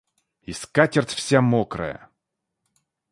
И скатерть вся мокрая.